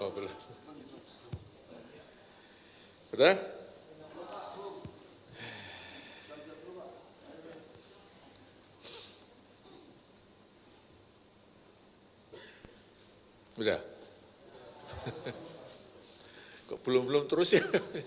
belum belum terus ya